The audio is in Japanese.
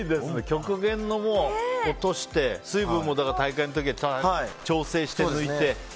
極限に落として水分も大会の時は調整して抜いて。